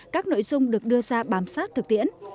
các nội dung được đưa ra bám sát thực tiễn